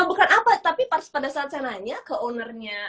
nah bukan apa tapi pada saat saya nanya ke owner nya